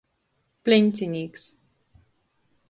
Plencinīks.